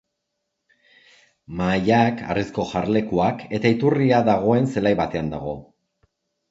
Mahaiak, harrizko jarlekuak eta iturria dagoen zelai batean dago.